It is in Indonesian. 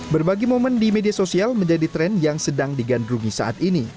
berbagi momen di media sosial menjadi tren yang sedang digandrungi saat ini